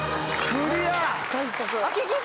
クリア。